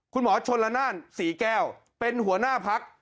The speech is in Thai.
คุณหมอชนละนานศรีแก้วเป็นหัวหน้าพัก